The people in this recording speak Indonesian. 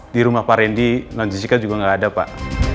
di rumah pak randy non jessica juga nggak ada pak